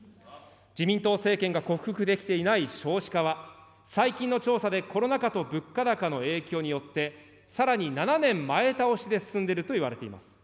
自民党政権が克服できていない少子化は、最近の調査でコロナ禍と物価高の影響によって、さらに７年前倒しで進んでいるといわれています。